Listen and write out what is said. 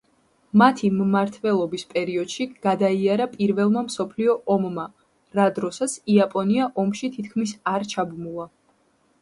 მათი მმართველობის პერიოდში გადაიარა პირველმა მსოფლიო ომმა, რა დროსაც იაპონია ომში თითქმის არ ჩაბმულა.